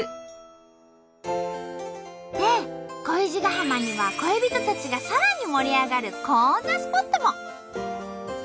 で恋路ヶ浜には恋人たちがさらに盛り上がるこんなスポットも。